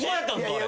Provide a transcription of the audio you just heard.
あれ。